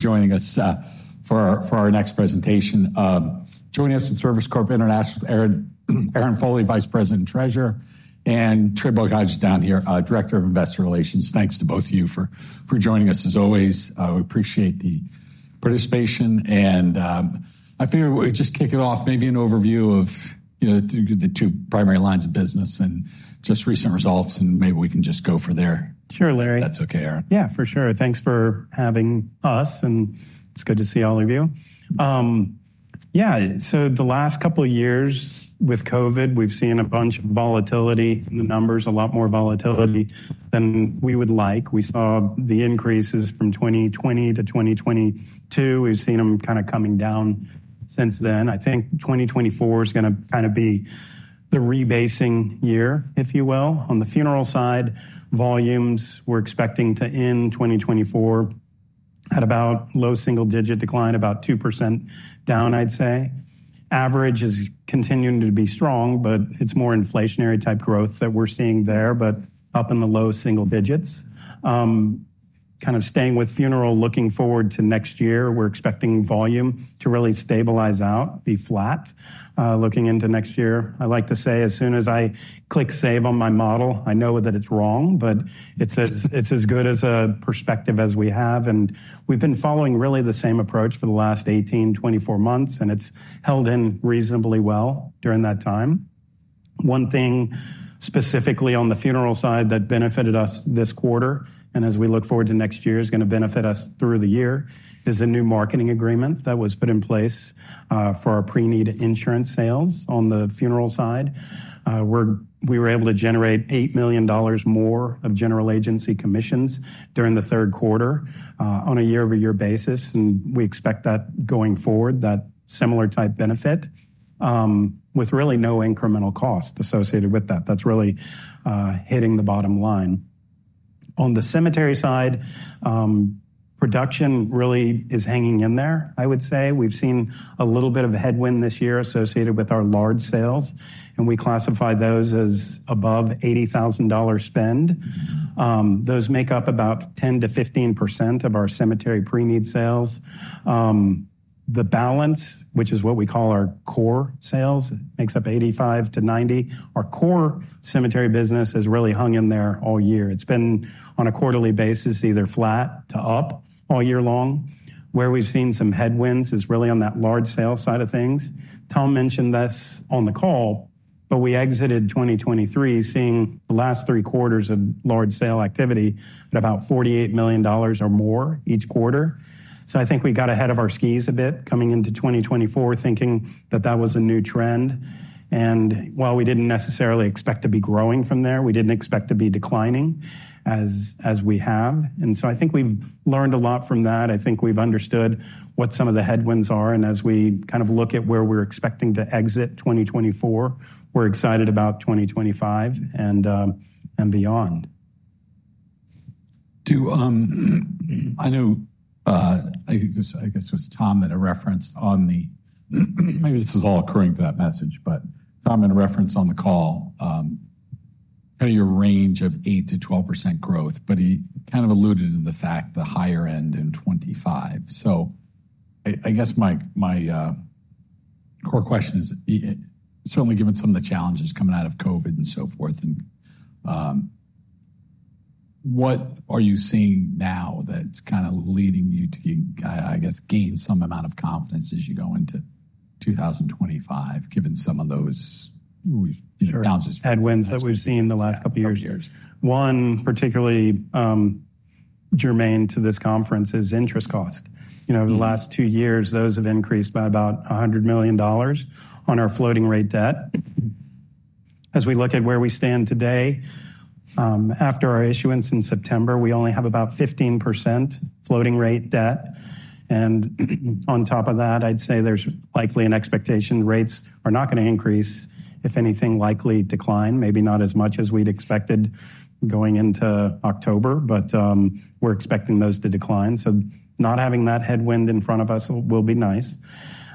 Joining us for our next presentation. Joining us from Service Corporation International is Aaron Foley, Vice President and Treasurer, and Trey Bocage down here, Director of Investor Relations. Thanks to both of you for joining us, as always. We appreciate the participation, and I figured we'd just kick it off, maybe an overview of the two primary lines of business and just recent results, and maybe we can just go from there. Sure, Larry. If that's okay, Aaron. Yeah, for sure. Thanks for having us, and it's good to see all of you. Yeah, so the last couple of years with COVID, we've seen a bunch of volatility in the numbers, a lot more volatility than we would like. We saw the increases from 2020 to 2022. We've seen them kind of coming down since then. I think 2024 is going to kind of be the rebasing year, if you will. On the funeral side, volumes we're expecting to end 2024 at about low single-digit decline, about 2% down, I'd say. Average is continuing to be strong, but it's more inflationary-type growth that we're seeing there, but up in the low single digits. Kind of staying with funeral, looking forward to next year, we're expecting volume to really stabilize out, be flat looking into next year. I like to say, as soon as I click save on my model, I know that it's wrong, but it's as good a perspective as we have. And we've been following really the same approach for the last 18-24 months, and it's held in reasonably well during that time. One thing specifically on the funeral side that benefited us this quarter, and as we look forward to next year, is going to benefit us through the year, is a new marketing agreement that was put in place for our pre-need insurance sales on the funeral side. We were able to generate $8 million more of general agency commissions during the third quarter on a year-over-year basis, and we expect that going forward, that similar-type benefit with really no incremental cost associated with that. That's really hitting the bottom line. On the cemetery side, production really is hanging in there, I would say. We've seen a little bit of a headwind this year associated with our large sales, and we classify those as above $80,000 spend. Those make up about 10%-15% of our cemetery pre-need sales. The balance, which is what we call our core sales, makes up 85%-90%. Our core cemetery business has really hung in there all year. It's been on a quarterly basis, either flat to up all year long. Where we've seen some headwinds is really on that large sale side of things. Tom mentioned this on the call, but we exited 2023 seeing the last three quarters of large sale activity at about $48 million or more each quarter. So I think we got ahead of our skis a bit coming into 2024, thinking that that was a new trend. And while we didn't necessarily expect to be growing from there, we didn't expect to be declining as we have. And so I think we've learned a lot from that. I think we've understood what some of the headwinds are. And as we kind of look at where we're expecting to exit 2024, we're excited about 2025 and beyond. I know, I guess it was Tom that I referenced on the, maybe this is all according to that message, but Tom had a reference on the call, kind of your range of 8%-12% growth, but he kind of alluded to the fact, the higher end in 2025. So I guess my core question is, certainly given some of the challenges coming out of COVID and so forth, what are you seeing now that's kind of leading you to, I guess, gain some amount of confidence as you go into 2025, given some of those challenges? Sure. Headwinds that we've seen the last couple of years. One particularly germane to this conference is interest cost. The last two years, those have increased by about $100 million on our floating-rate debt. As we look at where we stand today, after our issuance in September, we only have about 15% floating-rate debt. And on top of that, I'd say there's likely an expectation rates are not going to increase, if anything, likely decline, maybe not as much as we'd expected going into October, but we're expecting those to decline, so not having that headwind in front of us will be nice.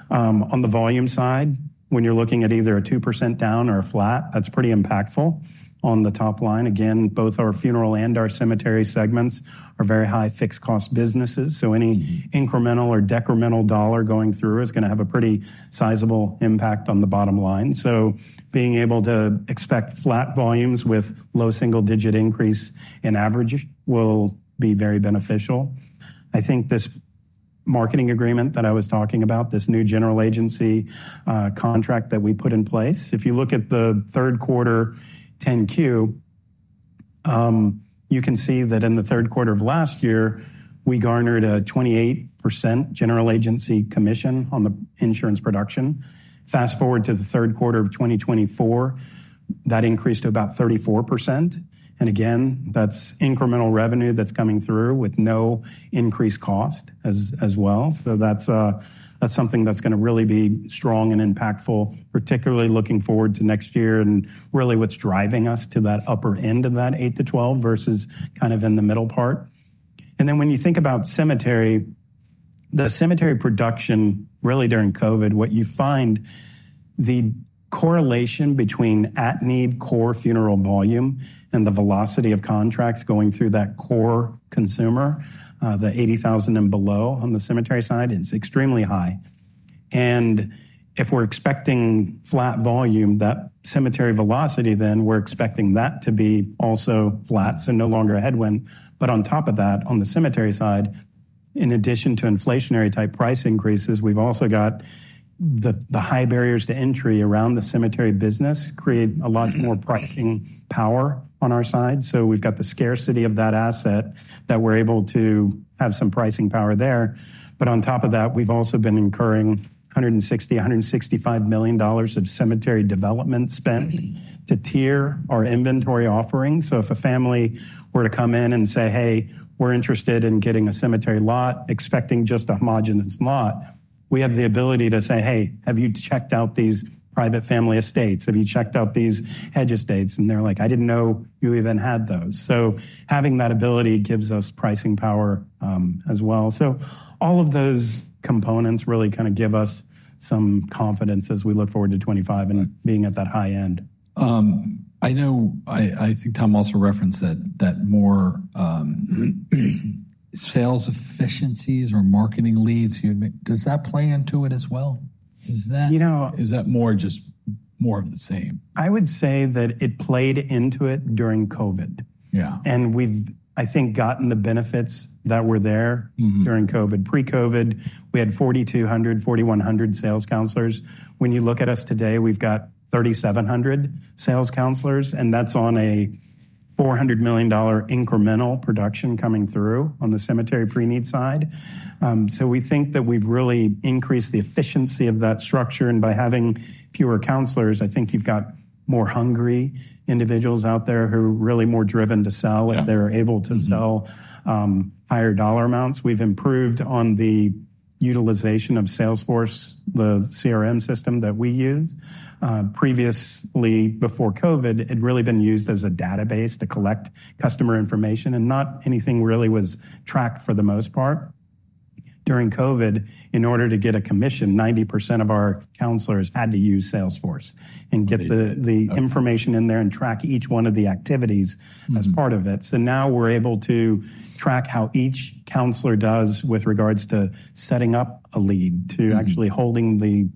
On the volume side, when you're looking at either a 2% down or a flat, that's pretty impactful on the top line. Again, both our funeral and our cemetery segments are very high fixed-cost businesses. So any incremental or decremental dollar going through is going to have a pretty sizable impact on the bottom line. So being able to expect flat volumes with low single-digit increase in average will be very beneficial. I think this marketing agreement that I was talking about, this new general agency contract that we put in place, if you look at the third quarter 10-Q, you can see that in the third quarter of last year, we garnered a 28% general agency commission on the insurance production. Fast forward to the third quarter of 2024, that increased to about 34%. And again, that's incremental revenue that's coming through with no increased cost as well. So that's something that's going to really be strong and impactful, particularly looking forward to next year and really what's driving us to that upper end of that 8%-12% versus kind of in the middle part. And then when you think about cemetery, the cemetery production really during COVID, what you find the correlation between at-need core funeral volume and the velocity of contracts going through that core consumer, the $80,000 and below on the cemetery side, is extremely high. And if we're expecting flat volume, that cemetery velocity, then we're expecting that to be also flat, so no longer a headwind. But on top of that, on the cemetery side, in addition to inflationary-type price increases, we've also got the high barriers to entry around the cemetery business create a lot more pricing power on our side. So we've got the scarcity of that asset that we're able to have some pricing power there. But on top of that, we've also been incurring $160 million-$165 million of cemetery development spend to tier our inventory offering. So if a family were to come in and say, "Hey, we're interested in getting a cemetery lot," expecting just a homogeneous lot, we have the ability to say, "Hey, have you checked out these private family estates? Have you checked out these hedge estates?" And they're like, "I didn't know you even had those." So having that ability gives us pricing power as well. So all of those components really kind of give us some confidence as we look forward to 2025 and being at that high end. I know, I think Tom also referenced that more sales efficiencies or marketing leads. Does that play into it as well? Is that just more of the same? I would say that it played into it during COVID. Yeah. We've, I think, gotten the benefits that were there during COVID. Pre-COVID, we had 4,200, 4,100 sales counselors. When you look at us today, we've got 3,700 sales counselors, and that's on a $400 million incremental production coming through on the cemetery pre-need side. We think that we've really increased the efficiency of that structure. By having fewer counselors, I think you've got more hungry individuals out there who are really more driven to sell if they're able to sell higher dollar amounts. We've improved on the utilization of Salesforce, the CRM system that we use. Previously, before COVID, it had really been used as a database to collect customer information, and not anything really was tracked for the most part. During COVID, in order to get a commission, 90% of our counselors had to use Salesforce and get the information in there and track each one of the activities as part of it. So now we're able to track how each counselor does with regards to setting up a lead, to actually holding the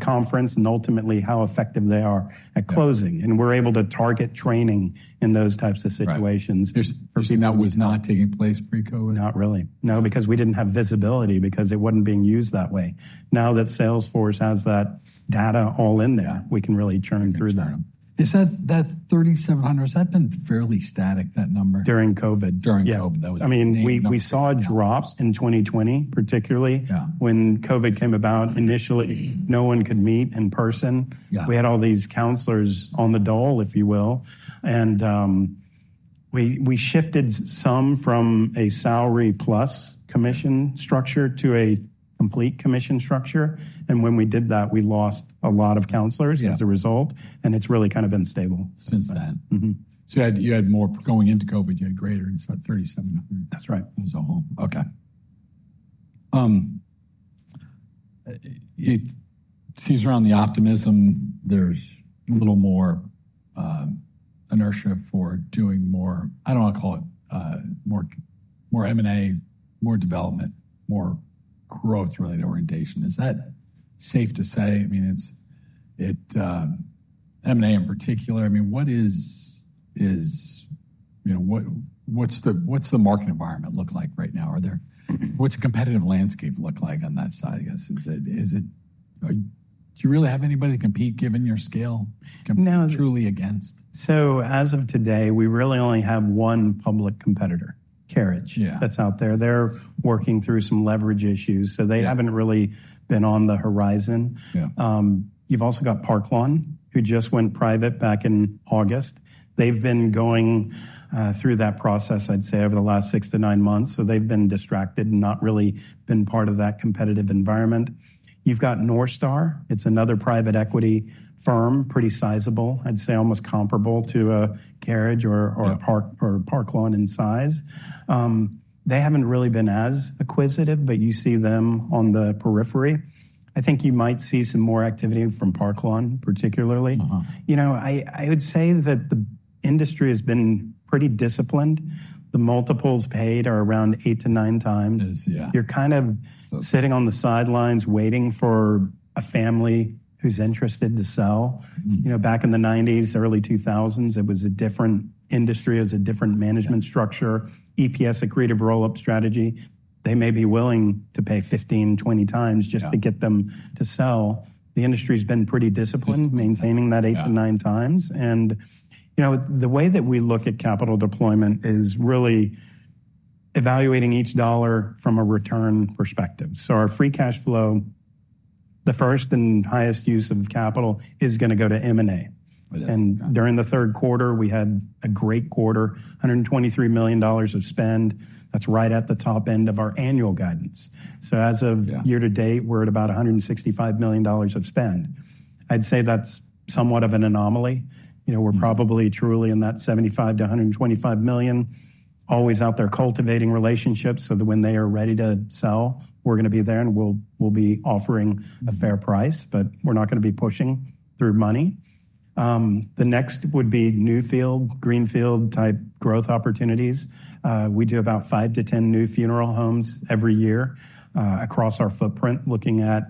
conference, and ultimately how effective they are at closing. And we're able to target training in those types of situations. There's nothing that was not taking place pre-COVID? Not really. No, because we didn't have visibility because it wasn't being used that way. Now that Salesforce has that data all in there, we can really churn through that. Is that 3,700, has that been fairly static, that number? During COVID. During COVID, that was. Yeah. I mean, we saw drops in 2020, particularly when COVID came about. Initially, no one could meet in person. We had all these counselors on the dole, if you will. And we shifted some from a salary-plus commission structure to a complete commission structure. And when we did that, we lost a lot of counselors as a result, and it's really kind of been stable since then. So you had more going into COVID. You had greater than 3,700. That's right. As a whole. Okay. Seems around the optimism, there's a little more inertia for doing more. I don't want to call it more M&A, more development, more growth-related orientation. Is that safe to say? I mean, M&A in particular, I mean, what's the market environment look like right now? What's the competitive landscape look like on that side, I guess? Do you really have anybody to compete given your scale? Compete truly against? So as of today, we really only have one public competitor, Carriage, that's out there. They're working through some leverage issues, so they haven't really been on the horizon. You've also got Park Lawn, who just went private back in August. They've been going through that process, I'd say, over the last six to nine months. So they've been distracted and not really been part of that competitive environment. You've got NorthStar. It's another private equity firm, pretty sizable, I'd say almost comparable to a Carriage or Park Lawn in size. They haven't really been as acquisitive, but you see them on the periphery. I think you might see some more activity from Park Lawn, particularly. You know, I would say that the industry has been pretty disciplined. The multiples paid are around eight to nine times. You're kind of sitting on the sidelines waiting for a family who's interested to sell. Back in the 1990s, early 2000s, it was a different industry. It was a different management structure, EPS, accretive roll-up strategy. They may be willing to pay 15-20 times just to get them to sell. The industry has been pretty disciplined maintaining that eight to nine times. And the way that we look at capital deployment is really evaluating each dollar from a return perspective. So our free cash flow, the first and highest use of capital, is going to go to M&A. And during the third quarter, we had a great quarter, $123 million of spend. That's right at the top end of our annual guidance. So as of year to date, we're at about $165 million of spend. I'd say that's somewhat of an anomaly. We're probably truly in that $75 million-$125 million, always out there cultivating relationships so that when they are ready to sell, we're going to be there and we'll be offering a fair price, but we're not going to be pushing through money. The next would be greenfield-type growth opportunities. We do about five to 10 new funeral homes every year across our footprint, looking at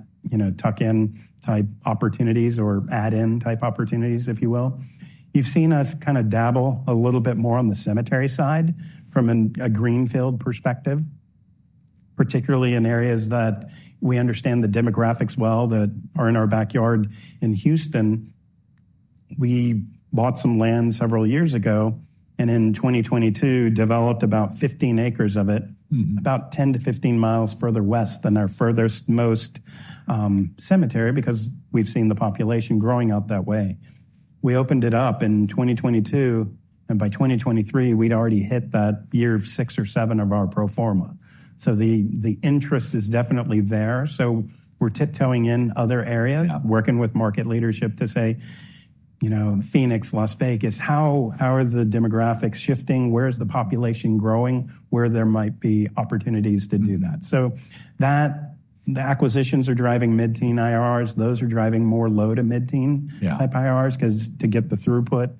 tuck-in-type opportunities or add-in-type opportunities, if you will. You've seen us kind of dabble a little bit more on the cemetery side from a greenfield perspective, particularly in areas that we understand the demographics well that are in our backyard in Houston. We bought some land several years ago and in 2022 developed about 15 acres of it, about 10-15 miles further west than our furthest most cemetery because we've seen the population growing out that way. We opened it up in 2022, and by 2023, we'd already hit that year of six or seven of our pro forma. So the interest is definitely there. So we're tiptoeing in other areas, working with market leadership to say, "Phoenix, Las Vegas, how are the demographics shifting? Where is the population growing where there might be opportunities to do that?" So the acquisitions are driving mid-teen IRRs. Those are driving more low to mid-teen type IRRs because to get the throughput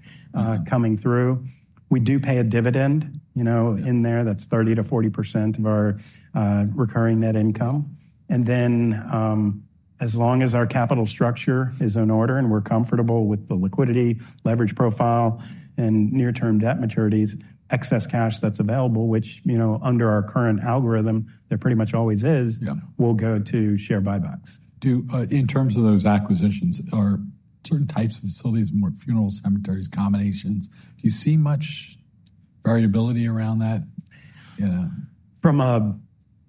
coming through. We do pay a dividend in there. That's 30%-40% of our recurring net income. And then as long as our capital structure is in order and we're comfortable with the liquidity, leverage profile, and near-term debt maturities, excess cash that's available, which under our current algorithm, there pretty much always is, will go to share buybacks. In terms of those acquisitions, are certain types of facilities, more funerals, cemeteries, combinations, do you see much variability around that? From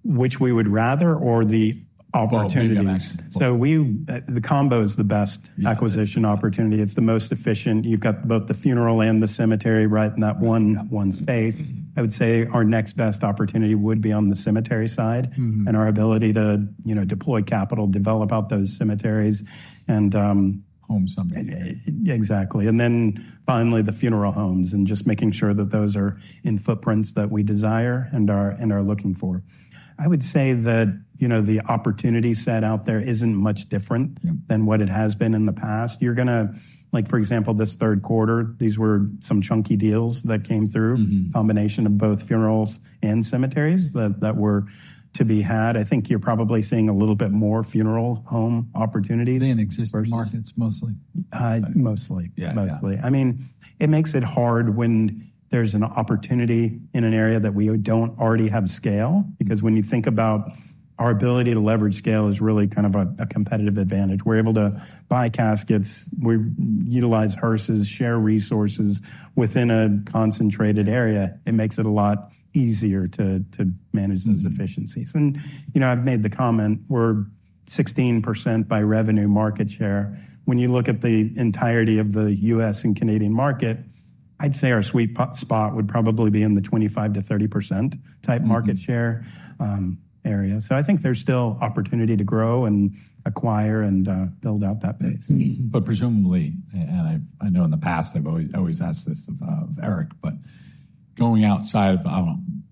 which we would rather or the opportunities? So the combo is the best acquisition opportunity. It's the most efficient. You've got both the funeral and the cemetery right in that one space. I would say our next best opportunity would be on the cemetery side and our ability to deploy capital, develop out those cemeteries and. Home something. Exactly, and then finally, the funeral homes and just making sure that those are in footprints that we desire and are looking for. I would say that the opportunity set out there isn't much different than what it has been in the past. You're going to, for example, this third quarter, these were some chunky deals that came through, a combination of both funerals and cemeteries that were to be had. I think you're probably seeing a little bit more funeral home opportunities. Than existing markets, mostly? Mostly. Mostly. I mean, it makes it hard when there's an opportunity in an area that we don't already have scale because when you think about our ability to leverage scale is really kind of a competitive advantage. We're able to buy caskets. We utilize hearses, share resources within a concentrated area. It makes it a lot easier to manage those efficiencies, and I've made the comment, we're 16% by revenue market share. When you look at the entirety of the U.S. and Canadian market, I'd say our sweet spot would probably be in the 25%-30% type market share area, so I think there's still opportunity to grow and acquire and build out that base. But presumably, and I know in the past, I've always asked this of Eric, but going outside of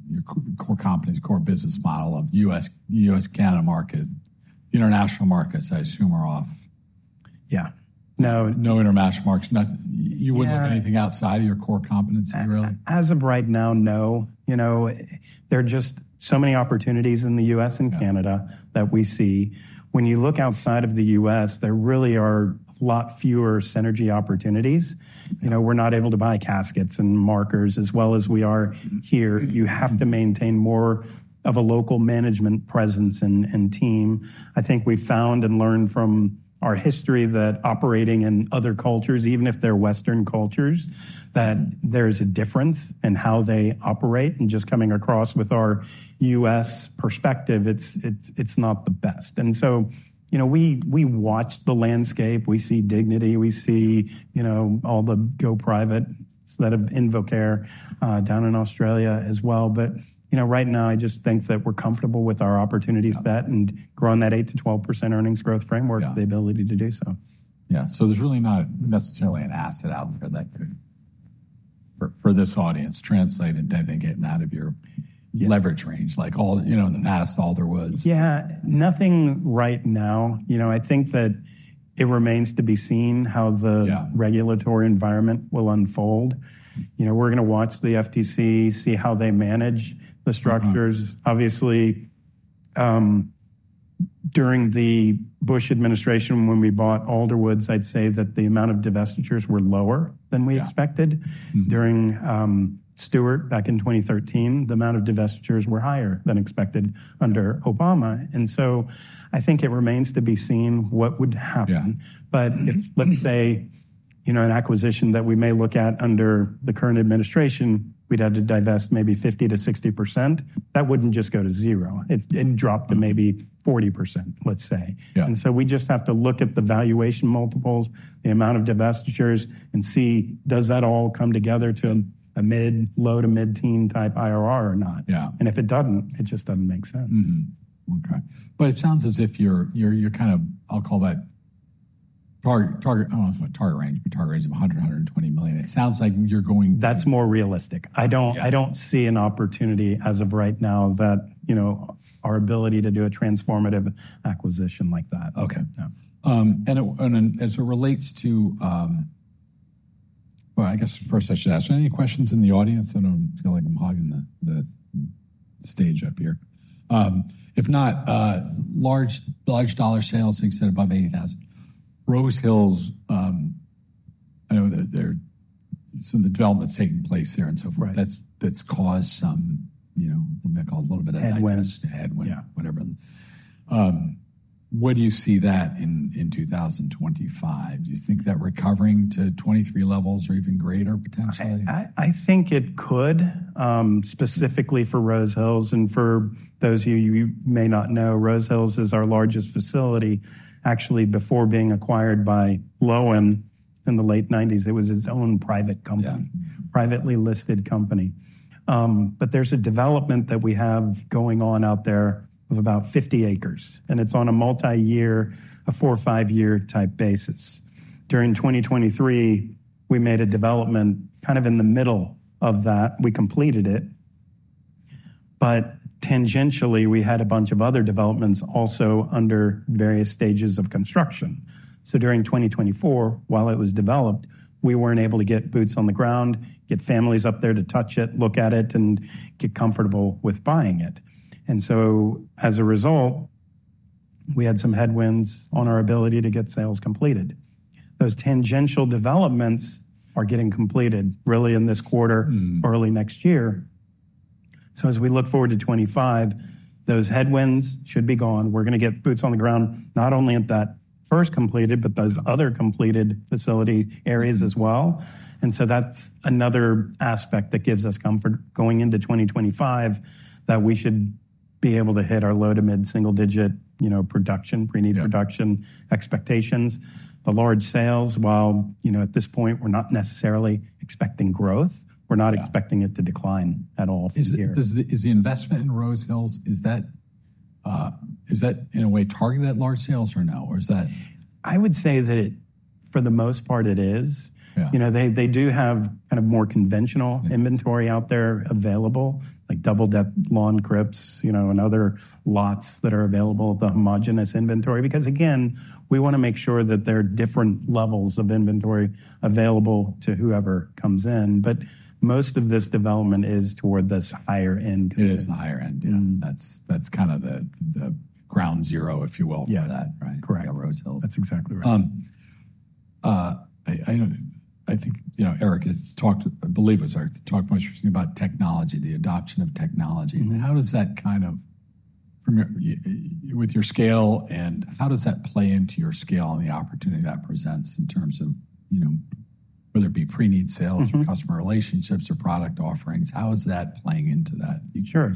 your core companies, core business model of U.S.-Canada market, international markets, I assume are off. Yeah. No international markets. You wouldn't have anything outside of your core competency, really? As of right now, no. There are just so many opportunities in the U.S. and Canada that we see. When you look outside of the U.S., there really are a lot fewer synergy opportunities. We're not able to buy caskets and markers as well as we are here. You have to maintain more of a local management presence and team. I think we found and learned from our history that operating in other cultures, even if they're Western cultures, that there is a difference in how they operate. And just coming across with our U.S. perspective, it's not the best. And so we watch the landscape. We see Dignity. We see all the go private in InvoCare down in Australia as well. But right now, I just think that we're comfortable with our opportunities bet and growing that 8%-12% earnings growth framework, the ability to do so. Yeah, so there's really not necessarily an asset out there that could, for this audience, translate into, I think, getting out of your leverage range. Like in the past, all there was. Yeah. Nothing right now. I think that it remains to be seen how the regulatory environment will unfold. We're going to watch the FTC, see how they manage the structures. Obviously, during the Bush administration, when we bought Alderwoods, I'd say that the amount of divestitures were lower than we expected. During Stewart, back in 2013, the amount of divestitures were higher than expected under Obama. And so I think it remains to be seen what would happen. But let's say an acquisition that we may look at under the current administration, we'd have to divest maybe 50%-60%. That wouldn't just go to zero. It'd drop to maybe 40%, let's say. And so we just have to look at the valuation multiples, the amount of divestitures, and see, does that all come together to a mid-low to mid-teen type IRR or not? If it doesn't, it just doesn't make sense. Okay. But it sounds as if you're kind of, I'll call that target range, but target range of $100 million-$120 million. It sounds like you're going. That's more realistic. I don't see an opportunity as of right now that our ability to do a transformative acquisition like that. Okay. And as it relates to, well, I guess first I should ask, are there any questions in the audience? I don't feel like I'm hogging the stage up here. If not, large dollar sales, they said above 80,000. Rose Hills, I know some of the development's taking place there and so forth. That's caused some, what we might call a little bit of headwind, whatever. Where do you see that in 2025? Do you think that recovering to 23 levels or even greater potentially? I think it could, specifically for Rose Hills. And for those of you who may not know, Rose Hills is our largest facility. Actually, before being acquired by Loewen in the late 1990s, it was its own private company, privately listed company. But there's a development that we have going on out there of about 50 acres, and it's on a multi-year, a four or five-year type basis. During 2023, we made a development kind of in the middle of that. We completed it, but tangentially, we had a bunch of other developments also under various stages of construction. So during 2024, while it was developed, we weren't able to get boots on the ground, get families up there to touch it, look at it, and get comfortable with buying it. And so as a result, we had some headwinds on our ability to get sales completed. Those tangential developments are getting completed really in this quarter, early next year. So as we look forward to 2025, those headwinds should be gone. We're going to get boots on the ground, not only at that first completed, but those other completed facility areas as well. And so that's another aspect that gives us comfort going into 2025 that we should be able to hit our low to mid single-digit production, pre-need production expectations. The large sales, while at this point, we're not necessarily expecting growth, we're not expecting it to decline at all for the year. Is the investment in Rose Hills, is that in a way targeted at large sales or no? Or is that? I would say that for the most part, it is. They do have kind of more conventional inventory out there available, like double-deck lawn crypts and other lots that are available, the homogeneous inventory. Because again, we want to make sure that there are different levels of inventory available to whoever comes in. But most of this development is toward this higher-end. It is the higher-end. Yeah. That's kind of the ground zero, if you will, for that, right? Correct. Rose Hills. That's exactly right. I think Eric talked, I believe it was Eric talked most recently about technology, the adoption of technology. How does that kind of, with your scale, and how does that play into your scale and the opportunity that presents in terms of whether it be pre-need sales, customer relationships, or product offerings? How is that playing into that? Sure.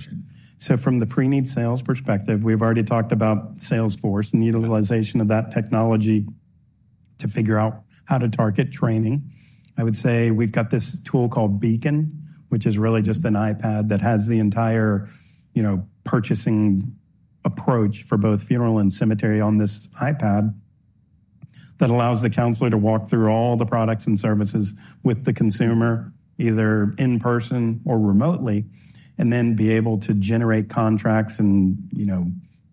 So from the pre-need sales perspective, we've already talked about Salesforce and utilization of that technology to figure out how to target training. I would say we've got this tool called Beacon, which is really just an iPad that has the entire purchasing approach for both funeral and cemetery on this iPad that allows the counselor to walk through all the products and services with the consumer, either in person or remotely, and then be able to generate contracts and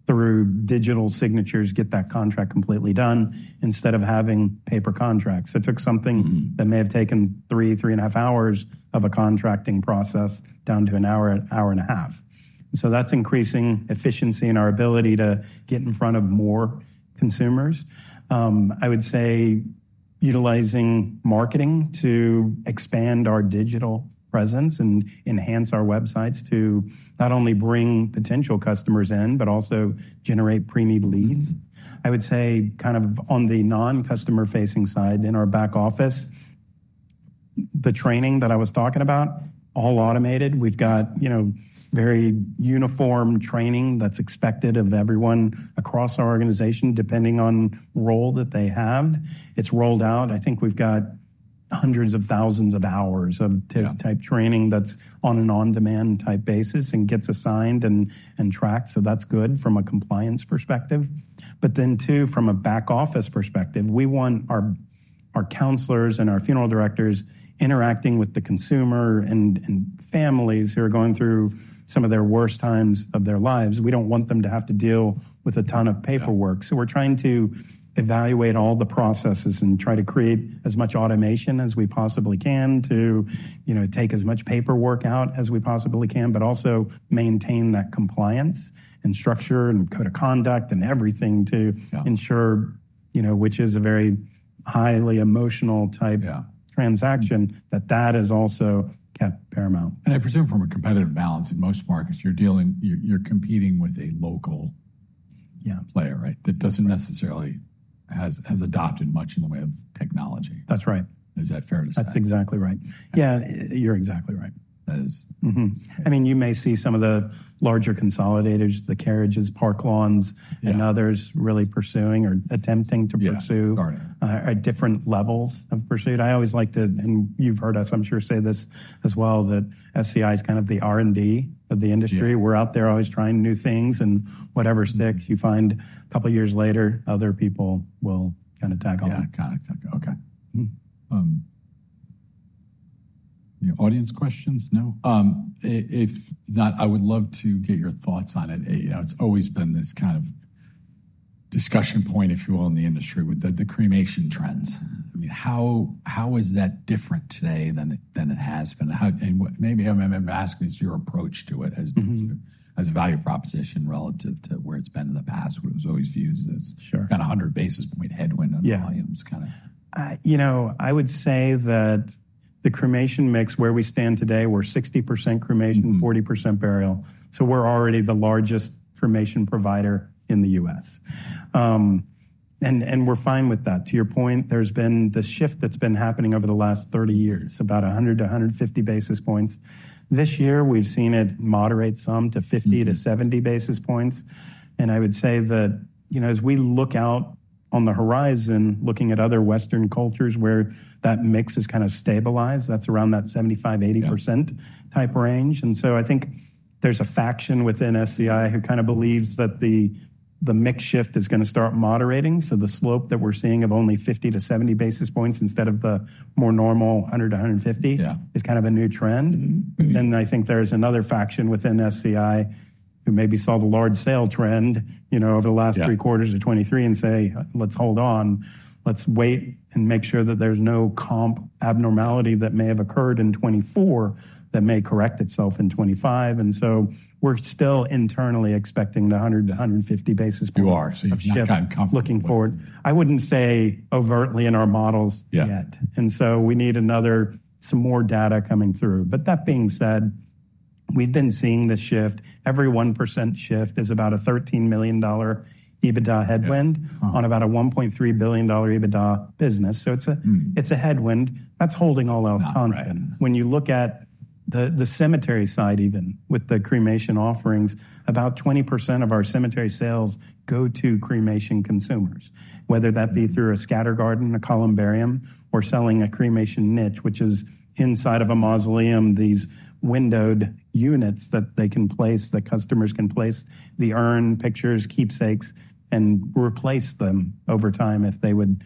through digital signatures, get that contract completely done instead of having paper contracts. It took something that may have taken three, three and a half hours of a contracting process down to an hour, hour and a half. And so that's increasing efficiency in our ability to get in front of more consumers. I would say utilizing marketing to expand our digital presence and enhance our websites to not only bring potential customers in, but also generate pre-need leads. I would say kind of on the non-customer-facing side in our back office, the training that I was talking about, all automated. We've got very uniform training that's expected of everyone across our organization, depending on the role that they have. It's rolled out. I think we've got hundreds of thousands of hours of type training that's on an on-demand type basis and gets assigned and tracked. So that's good from a compliance perspective. But then too, from a back office perspective, we want our counselors and our funeral directors interacting with the consumer and families who are going through some of their worst times of their lives. We don't want them to have to deal with a ton of paperwork. We're trying to evaluate all the processes and try to create as much automation as we possibly can to take as much paperwork out as we possibly can, but also maintain that compliance and structure and code of conduct and everything to ensure, which is a very highly emotional type transaction, that that is also kept paramount. I presume from a competitive balance in most markets, you're competing with a local player, right? That doesn't necessarily have adopted much in the way of technology. That's right. Is that fair to say? That's exactly right. Yeah, you're exactly right. That is. I mean, you may see some of the larger consolidators, the Carriage Services, Park Lawns, and others really pursuing or attempting to pursue at different levels of pursuit. I always like to, and you've heard us, I'm sure, say this as well, that SCI is kind of the R&D of the industry. We're out there always trying new things, and whatever sticks, you find a couple of years later, other people will kind of tag on. Yeah. Got it. Okay. Audience questions? No? If not, I would love to get your thoughts on it. It's always been this kind of discussion point, if you will, in the industry with the cremation trends. I mean, how is that different today than it has been? And maybe I'm asking, is your approach to it as a value proposition relative to where it's been in the past, what it was always viewed as kind of 100 basis point headwind on volumes kind of. You know, I would say that the cremation mix where we stand today, we're 60% cremation, 40% burial. So we're already the largest cremation provider in the U.S. And we're fine with that. To your point, there's been this shift that's been happening over the last 30 years, about 100-150 basis points. This year, we've seen it moderate some to 50-70 basis points. And I would say that as we look out on the horizon, looking at other Western cultures where that mix has kind of stabilized, that's around that 75%-80% type range. And so I think there's a faction within SCI who kind of believes that the mix shift is going to start moderating. So the slope that we're seeing of only 50-70 basis points instead of the more normal 100-150 is kind of a new trend. And I think there's another faction within SCI who maybe saw the large sale trend over the last three quarters of 2023 and say, "Let's hold on. Let's wait and make sure that there's no comp abnormality that may have occurred in 2024 that may correct itself in 2025." And so we're still internally expecting the 100-150 basis points. You are kind of comfortable. Looking forward. I wouldn't say overtly in our models yet, and so we need some more data coming through, but that being said, we've been seeing the shift. Every 1% shift is about a $13 million EBITDA headwind on about a $1.3 billion EBITDA business, so it's a headwind that's holding all else constant. When you look at the cemetery side, even with the cremation offerings, about 20% of our cemetery sales go to cremation consumers, whether that be through a scatter garden, a columbarium, or selling a cremation niche, which is inside of a mausoleum, these windowed units that they can place, that customers can place, the urn pictures, keepsakes, and replace them over time if they would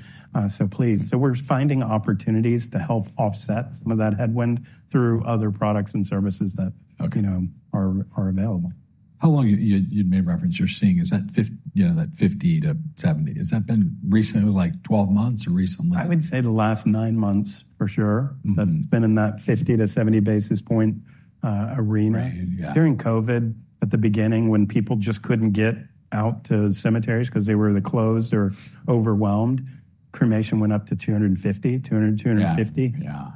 so please, so we're finding opportunities to help offset some of that headwind through other products and services that are available. How long? You made reference. You're seeing, is that 50-70? Has that been recently, like 12 months or recently? I would say the last nine months for sure. That's been in that 50-70 basis point arena. During COVID, at the beginning, when people just couldn't get out to cemeteries because they were closed or overwhelmed, cremation went up to 250, 200, 250.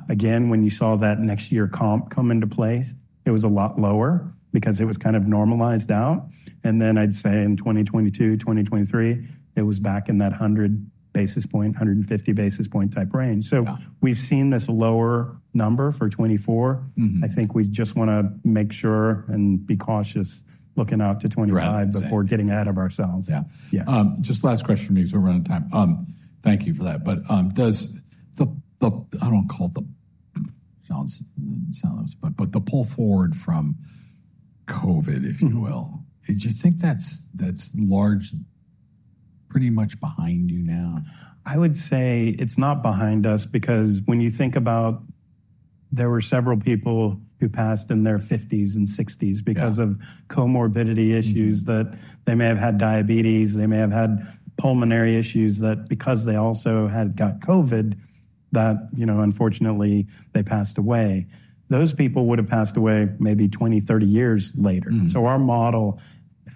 Again, when you saw that next year comp come into place, it was a lot lower because it was kind of normalized out, and then I'd say in 2022, 2023, it was back in that 100-150 basis point type range, so we've seen this lower number for 2024. I think we just want to make sure and be cautious looking out to 2025 before getting ahead of ourselves. Yeah. Just last question for me because we're running out of time. Thank you for that. But does the, I don't want to call it the, but the pull forward from COVID, if you will, do you think that's largely pretty much behind you now? I would say it's not behind us because when you think about there were several people who passed in their 50s and 60s because of comorbidity issues that they may have had diabetes. They may have had pulmonary issues that because they also had got COVID that unfortunately they passed away. Those people would have passed away maybe 20, 30 years later. So our model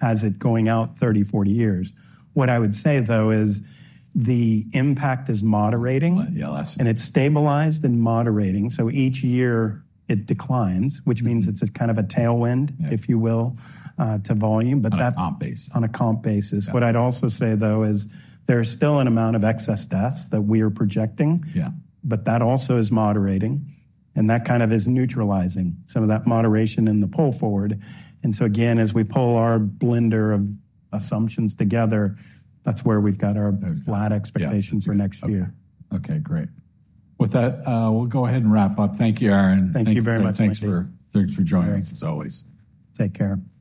has it going out 30, 40 years. What I would say though is the impact is moderating and it's stabilized and moderating. So each year it declines, which means it's kind of a tailwind, if you will, to volume, but that. On a comp basis. On a comp basis. What I'd also say though is there's still an amount of excess deaths that we are projecting, but that also is moderating and that kind of is neutralizing some of that moderation in the pull forward. And so again, as we pull our blender of assumptions together, that's where we've got our flat expectation for next year. Okay. Great. With that, we'll go ahead and wrap up. Thank you, Aaron. Thank you very much. Thanks for joining us as always. Take care.